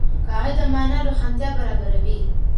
قاعده د مانا روښانتیا برابروي.